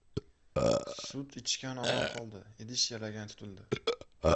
• Sut ichgan omon qoldi, idish yalagan tutildi.